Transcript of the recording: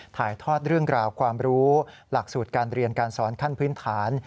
ถ่ายทอดเรื่องราวความรู้หลักสูตรการเรียนการสอนขั้นพื้นฐาน